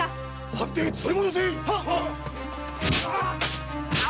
⁉藩邸へ連れ戻せ！